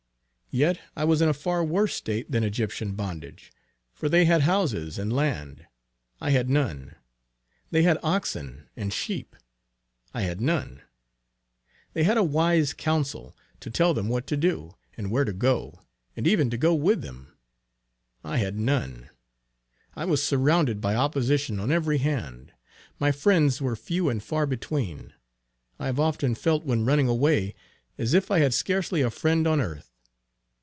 Yet I was in a far worse state than Egyptian bondage; for they had houses and land; I had none; they had oxen and sheep; I had none; they had a wise counsel, to tell them what to do, and where to go, and even to go with them; I had none. I was surrounded by opposition on every hand. My friends were few and far between. I have often felt when running away as if I had scarcely a friend on earth.